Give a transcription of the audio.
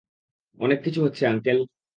অনেক কিছু হচ্ছে আঙ্কেল।